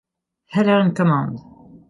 Eller in command.